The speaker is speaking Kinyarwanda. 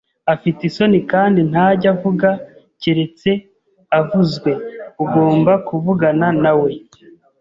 Afite isoni, kandi ntajya avuga keretse avuzwe. Ugomba kuvugana nawe.